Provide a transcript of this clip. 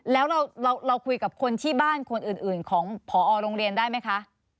แล้วเราคุยกับคนที่บ้านคนอื่นของพอโรงเรียนได้ไหมคะ